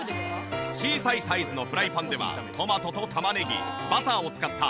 小さいサイズのフライパンではトマトと玉ねぎバターを使った笠原流の絶品ソースを。